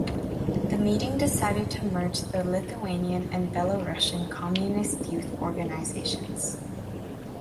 The meeting decided to merge the Lithuanian and Belorussian communist youth organizations.